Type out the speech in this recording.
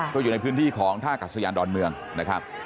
ก็อยู่ในพื้นที่ของท่ากัศยานดอนเมืองนะครับ